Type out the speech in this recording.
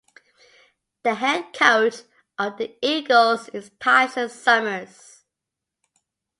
The head coach of the Eagles is Tyson Summers.